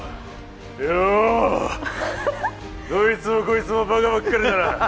いよ、どいつもこいつもバカばっかりだ。